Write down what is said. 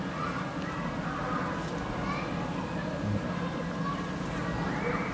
katika tamasha hili la kimataifa kumbuka